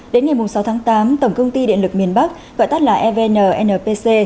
đến ngày sáu tháng tám tổng công ty điện lực miền bắc gọi tắt là evn npc